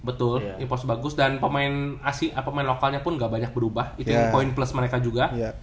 betul imports bagus dan pemain asing atau pemain lokalnya pun ga banyak berubah itu yang coins plus mereka juga